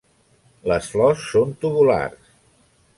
Les flors són tubulars.